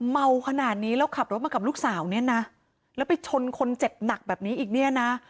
เมาขนาดนี้แล้วขับรถมากับลูกสาวเนี่ยนะแล้วไปชนคนเจ็บหนักแบบนี้อีกเนี่ยนะ